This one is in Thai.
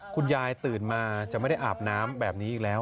ตื่นมาจะไม่ได้อาบน้ำแบบนี้อีกแล้ว